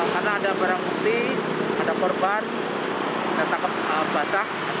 karena ada barang putih ada korban ada taksi juga